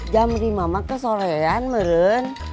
jam lima mak ke sorean merun